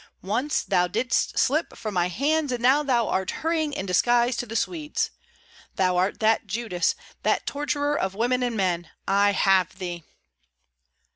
Once thou didst slip from my hands, and now thou art hurrying in disguise to the Swedes. Thou art that Judas, that torturer of women and men! I have thee!"